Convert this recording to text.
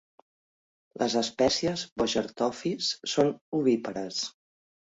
Les espècies Bogertophis són ovípares.